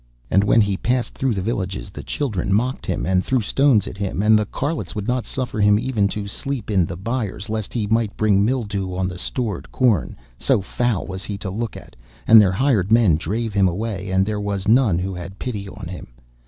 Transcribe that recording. And when he passed through the villages the children mocked him, and threw stones at him, and the carlots would not suffer him even to sleep in the byres lest he might bring mildew on the stored corn, so foul was he to look at, and their hired men drave him away, and there was none who had pity on him.